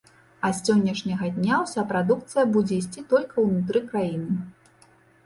А з сённяшняга дня ўся прадукцыя будзе ісці толькі ўнутры краіны.